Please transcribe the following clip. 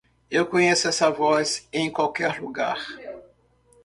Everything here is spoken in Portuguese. Eu conheço essa voz em qualquer lugar.